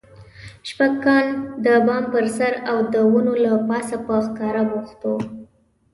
شپرکان د بام پر سر او د ونو له پاسه په ښکار بوخت وي.